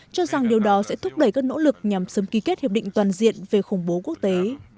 cho rằng điều đó sẽ thúc đẩy các nỗ lực nhằm sớm ký kết hiệp định toàn diện về khủng bố quốc tế